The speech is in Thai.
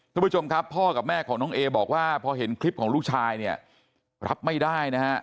ทุกผู้ชมครับพ่อกับแม่ของน้องเอบอกว่าพอเห็นคลิปของลูกชายเนี่ยรับไม่ได้นะฮะ